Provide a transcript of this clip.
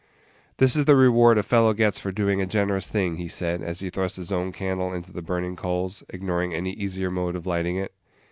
"This is the reward a fellow gets for doing a generous thing," he said, as he thrust his own candle into the burning coals, ignoring any easier mode of lighting it.